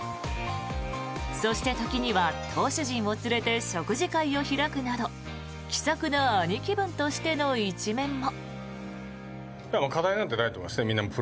そして、時には投手陣を連れて食事会を開くなど気さくな兄貴分としての一面も。